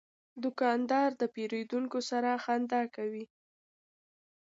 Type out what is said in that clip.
دوکاندار د پیرودونکو سره خندا کوي.